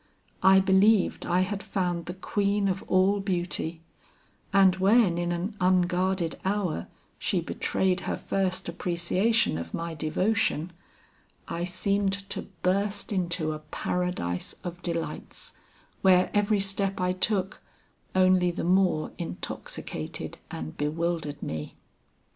I believed I had found the queen of all beauty and when in an unguarded hour she betrayed her first appreciation of my devotion, I seemed to burst into a Paradise of delights, where every step I took, only the more intoxicated and bewildered me.